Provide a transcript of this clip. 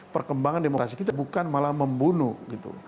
perkembangan demokrasi kita bukan malah membunuh gitu